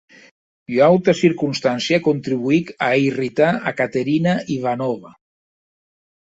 Ua auta circonstància contribuic a irritar a Caterina Ivanovna.